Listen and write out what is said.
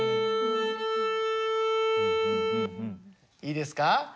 いいですか？